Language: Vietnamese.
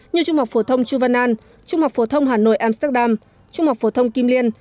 như trung học phổ thông chu văn an trung học phổ thông hà nội amsterdam trung học phổ thông kim liên